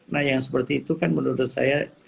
nah yang seperti itu kan menurut saya